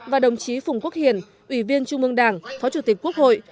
và đồng chí phùng quốc hiền ủy viên trung mương đảng phó chủ tịch quốc hội